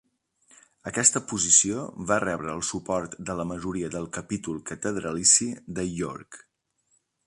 Aquesta posició va rebre el suport de la majoria del capítol catedralici de York.